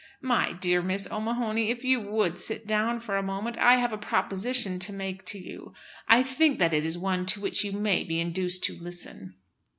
"My dear Miss O'Mahony, if you would sit down for a moment, I have a proposition to make to you. I think that it is one to which you may be induced to listen."